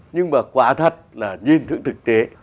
nhưng mà quá thật là nhìn thử thực tế